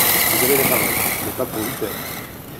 Vous avez la parole, mais pas pour huit heures